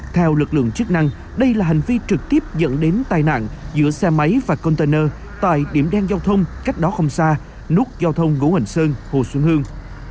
theo lực lượng chức năng đây là hành vi trực tiếp dẫn đến tai nạn giữa xe máy và container tại điểm đen giao thông cách đó không xa nút giao thông ngũ hành sơn hồ xuân hương